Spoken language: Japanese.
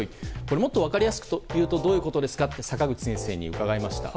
もっと分かりやすく言うとどういうことか坂口先生に伺いました。